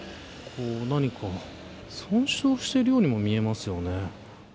何か損傷しているようにも見えますね。